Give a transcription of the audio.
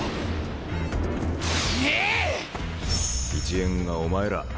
一円がお前ら。